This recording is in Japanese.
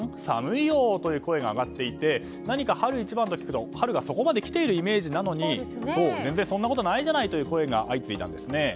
寒いよーという声が上がっていて何か春一番と聞くと春がそこまで来ているイメージなのに全然そんなことないという声が相次いだんですね。